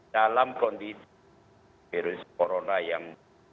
dalam kondisi virus corona yang